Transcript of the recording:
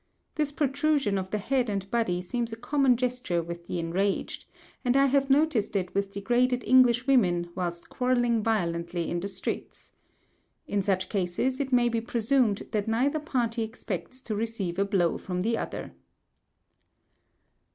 This protrusion of the head and body seems a common gesture with the enraged; and I have noticed it with degraded English women whilst quarrelling violently in the streets. In such cases it may be presumed that neither party expects to receive a blow from the other.